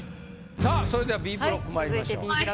さあそれではＢブロックまいりましょう。